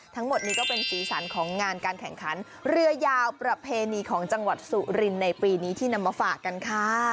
ทั้งหมดนี้ก็เป็นสีสันของงานการแข่งขันเรือยาวประเพณีของจังหวัดสุรินในปีนี้ที่นำมาฝากกันค่ะ